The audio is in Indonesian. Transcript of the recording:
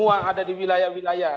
semua ada di wilayah wilayah